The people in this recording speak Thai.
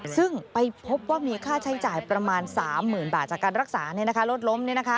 ซึ่งไปพบว่ามีค่าใช้จ่ายประมาณ๓๐๐๐บาทจากการรักษารถล้ม